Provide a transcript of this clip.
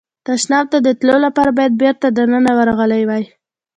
تشناب ته د تلو لپاره باید بېرته دننه ورغلی وای.